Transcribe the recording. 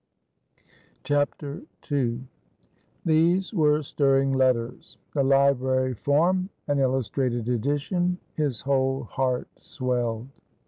II. These were stirring letters. The Library Form! an Illustrated Edition! His whole heart swelled.